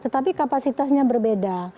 tapi kapasitasnya berbeda